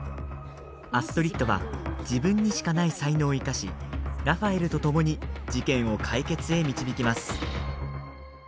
アストリッドは自分にしかない才能を生かし、ラファエルとともに事件を解決へ導きます。